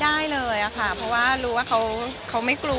ได้เลยค่ะเพราะว่ารู้ว่าเขาไม่กลัว